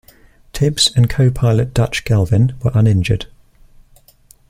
Tibbs and co-pilot Dutch Gelvin were uninjured.